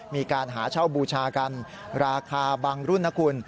มีการหาเช่าบูชากันราคาบางรุ่นนะคุณ